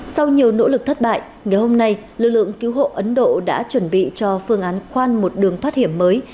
sau nhiều nỗ lực thất bại ngày hôm nay lực lượng cứu hộ ấn độ đã chuẩn bị cho phương án khoan một đường thoát hiểm mới